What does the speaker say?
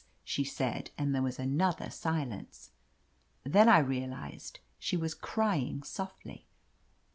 she said, and there was another silence. Then I realized she was crying softly.